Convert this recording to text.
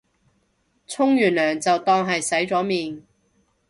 沖完涼就當係洗咗面